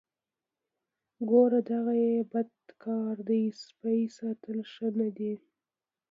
ګوره دغه یې بد کار دی سپی ساتل ښه نه دي.